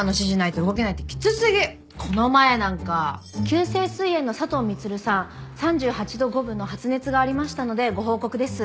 急性膵炎の佐藤満さん３８度５分の発熱がありましたのでご報告です。